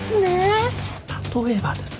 例えばです。